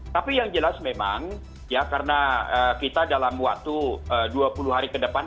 tapi yang jelas memang ya karena kita dalam waktu dua puluh hari ke depan